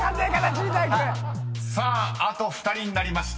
［さああと２人になりました］